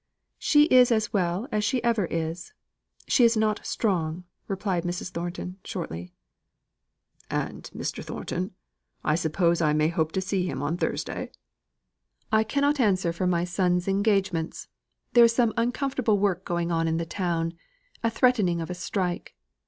"She is as well as she ever is. She is not strong," replied Mrs. Thornton, shortly. "And Mr. Thornton? I suppose I may hope to see him on Thursday?" "I cannot answer for my son's engagements. There is some uncomfortable work going on in the town; a threatening of a strike.